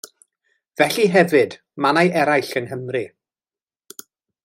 Felly hefyd mannau eraill yng Nghymru.